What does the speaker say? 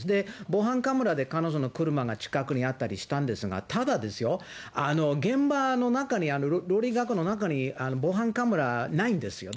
防犯カメラで彼女の車が近くにあったりしたんですが、ただ、現場の中に、料理学校の中に防犯カメラないんですよ。